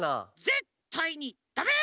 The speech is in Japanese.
ぜったいにだめ！